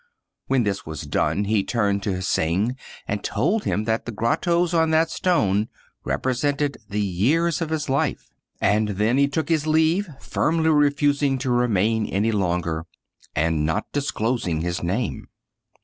When this was done, he turned to Hsing and told him that the grottoes on that stone represented the years of his life ; and then he took his leave, firmly refusing to remain any longer, and not disclosing his name.